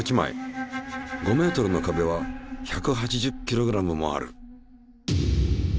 ５ｍの壁は１８０ｋｇもある。